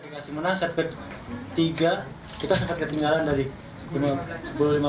kita sempat ketinggalan dari sepuluh lima belas